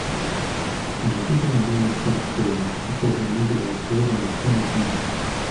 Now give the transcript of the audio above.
Але тут оніміла вся школа: такого мудрого слова ніхто не знав.